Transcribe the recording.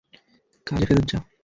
কাজে ফেরত যা।